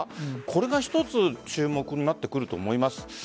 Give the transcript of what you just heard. これが一つ注目になってくると思います。